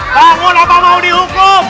bangun apa mau dihukum